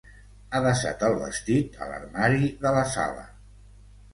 Ha desat el vestit a l'armari de la sala.